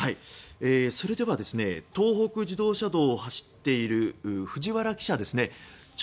それでは東北自動車道を走っている藤原記者。